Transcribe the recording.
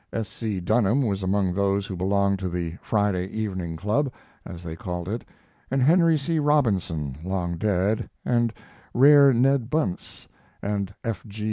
S. C. Dunham was among those who belonged to the "Friday Evening Club," as they called it, and Henry C. Robinson, long dead, and rare Ned Bunce, and F. G.